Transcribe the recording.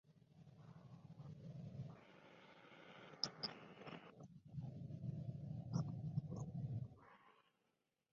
Posee otras entidades menores, estas son: El Boquerón, Casablanca y Venta de La Aurora.